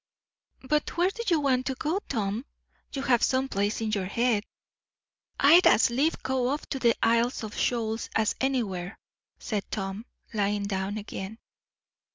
"But where do you want to go, Tom? you have some place in your head." "I'd as lief go off for the Isles of Shoals as anywhere," said Tom, lying down again.